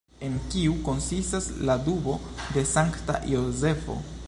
En kiu konsistas ‘’’la dubo de Sankta Jozefo’’’?